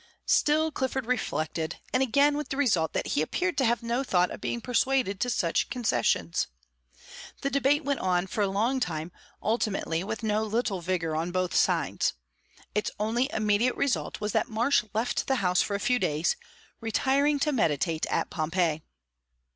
Still Clifford reflected, and again with the result that he appeared to have no thought of being persuaded to such concessions. The debate went on for a long time, ultimately with no little vigour on both sides. Its only immediate result was that Marsh left the house for a few days, retiring to meditate at Pompeii.